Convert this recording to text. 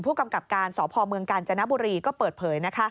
ผู้กำกับการสพเมืองกาญจนบุรีก็เปิดเผย